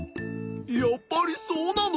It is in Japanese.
やっぱりそうなの？